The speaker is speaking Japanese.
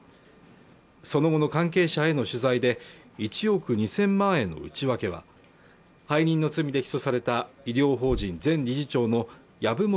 その後の関係者への取材で１億２０００万円の内訳は背任の罪で起訴された医療法人前理事長の籔本